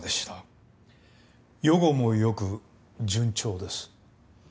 予後もよく順調です。